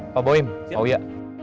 pak boy pak wia